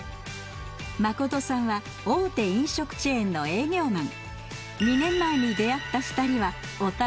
マコトさんは大手飲食チェーンの営業マン。